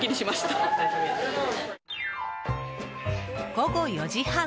午後４時半。